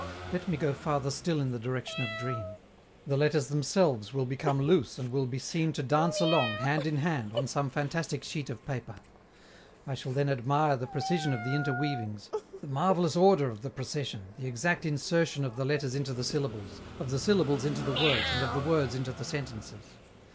Let me go farther still in the direction of dream: the letters themselves will become loose and will be seen to dance along, hand in hand, on some fantastic sheet of paper. I shall then admire the precision of the interweavings, the marvelous order of the procession, the exact insertion of the letters into the syllables, of the syllables into the words and of the words into the sentences.